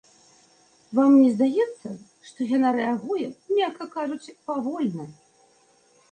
Вам не здаецца, што яна рэагуе, мякка кажучы, павольна?